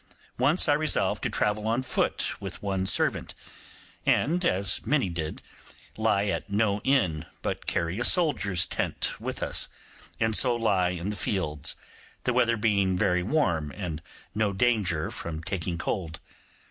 Once I resolved to travel on foot with one servant, and, as many did, lie at no inn, but carry a soldier's tent with us, and so lie in the fields, the weather being very warm, and no danger from taking cold.